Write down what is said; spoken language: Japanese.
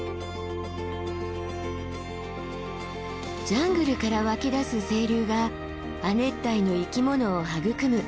ジャングルから湧き出す清流が亜熱帯の生き物を育む